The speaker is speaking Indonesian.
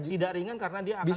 tidak ringan karena dia akan